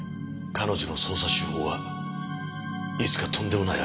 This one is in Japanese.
彼女の捜査手法はいつかとんでもない過ちを犯す。